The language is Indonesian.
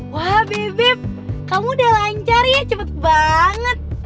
wah bibip kamu udah lancar ya cepet banget